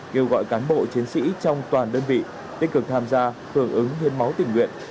kêu gọi cán bộ chiến sĩ trong toàn đơn vị tích cực tham gia hưởng ứng hiến máu tình nguyện